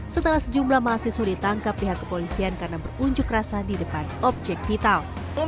setelah sejumlah mahasiswa ditangkap pihak kepolisian karena berunjuk rasa di depan objek vital